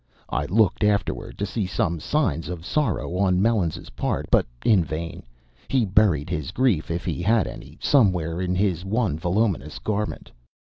I looked afterward to see some signs of sorrow on Melons's part, but in vain; he buried his grief, if he had any, somewhere in his one voluminous garment.